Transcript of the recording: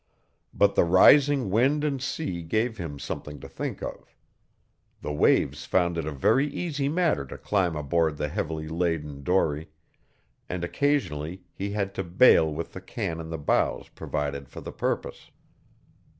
But the rising wind and sea gave him something to think of. The waves found it a very easy matter to climb aboard the heavily laden dory, and occasionally he had to bail with the can in the bows provided for the purpose.